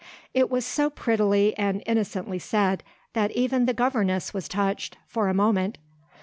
It was so prettily and innocently said that even the governess was touched for a moment.